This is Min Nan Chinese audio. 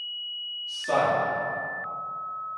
瘦